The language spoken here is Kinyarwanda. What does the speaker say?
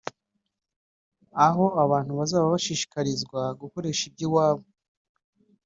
aaho abantu bazaba bashishikarizwa gukoresha iby’iwabo